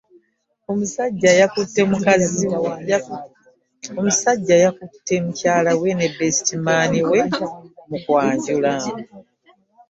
Omusajja ya kutte mukyala we n'eyali besitimaani we mu kwanjula.